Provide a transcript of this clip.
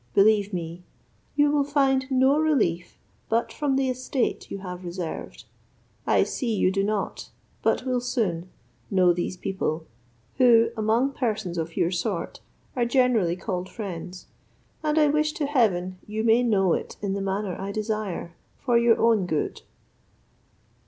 Believe me, you will kind no relief but from the estate you have reserved. I see you do not, but will soon, know those people, who, among persons of your sort, are generally called friends, and I wish to heaven you may know it in the manner I desire, for your own good."